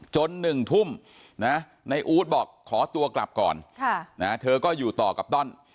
๑ทุ่มนะในอู๊ดบอกขอตัวกลับก่อนเธอก็อยู่ต่อกับต้อน